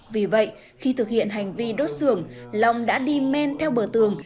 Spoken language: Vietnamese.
vì vậy khi thực hiện hành vi đốt xưởng long đã đi men theo bờ tường